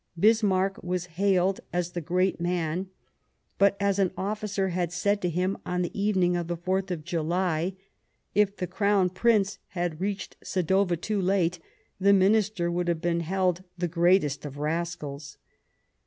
Bismarck v/as hailed as the great man, but, as an officer had said to him on the evening of the 4th of July, if the Crown Prince had reached Sadowa too late, the Minister would have been held the greatest of rascals.